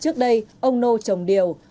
trước đây ông nô trồng điều